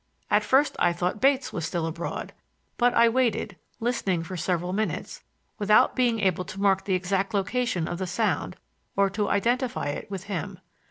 At first I thought Bates was still abroad, but I waited, listening for several minutes, without being able to mark the exact direction of the sound or to identify it with him.